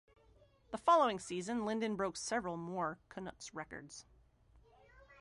The following season, Linden broke several more Canucks records.